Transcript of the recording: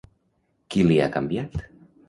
Qui l'hi ha canviat?